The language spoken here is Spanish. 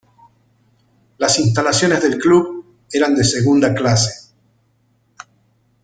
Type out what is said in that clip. Las instalaciones del club eran de segunda clase.